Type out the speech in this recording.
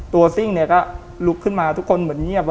ซิ่งเนี่ยก็ลุกขึ้นมาทุกคนเหมือนเงียบ